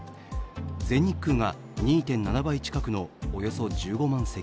全日空が２．７倍近くのおよそ１５万席。